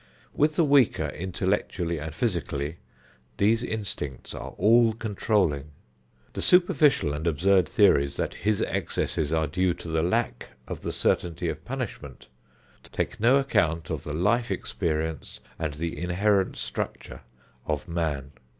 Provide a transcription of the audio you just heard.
With the weaker intellectually and physically, these instincts are all controlling. The superficial and absurd theories that his excesses are due to the lack of the certainty of punishment take no account of the life experience, and the inherent structure of man.